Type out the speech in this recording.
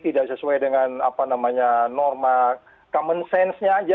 tidak sesuai dengan apa namanya norma common sense nya aja